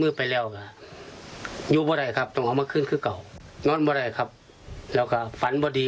เออหลับปุ๊บฝันหลับปุ๊บฝันแล้วก็เจอคนนี้